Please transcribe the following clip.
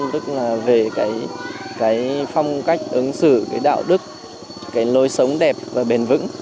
tức là về cái phong cách ứng xử cái đạo đức cái lối sống đẹp và bền vững